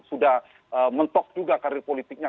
sudah mentok juga karir politiknya